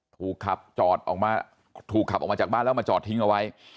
ถูกขับจอดออกมาถูกขับออกมาจากบ้านแล้วมาจอดทิ้งเอาไว้